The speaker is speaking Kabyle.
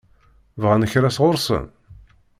Bɣant kra sɣur-sen?